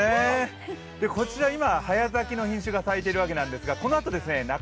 こちら今、早咲きの品種が咲いているんですがこのあと中